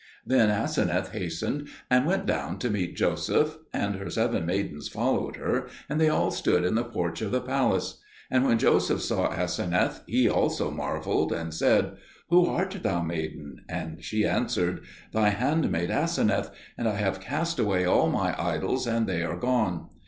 Then Aseneth hastened and went down to meet Joseph, and her seven maidens followed her, and they all stood in the porch of the palace. And when Joseph saw Aseneth he also marvelled, and said, "Who art thou, maiden?" And she answered, "Thy handmaid Aseneth; and I have cast away all my idols and they are gone."